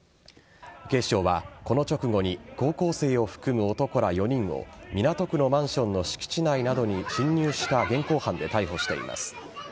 警視庁はこの直後に高校生を含む男ら４人を港区のマンションの敷地内などに侵入した現行犯で逮捕しています。